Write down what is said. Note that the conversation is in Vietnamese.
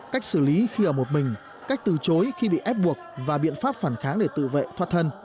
cách xử lý khi ở một mình cách từ chối khi bị ép buộc và biện pháp phản kháng để tự vệ thoát thân